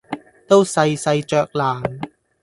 都細細嚼爛，